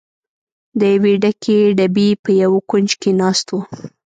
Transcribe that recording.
د یوې ډکې ډبې په یوه کونج کې ناست و.